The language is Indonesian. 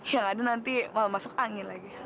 yang ada nanti malah masuk angin lagi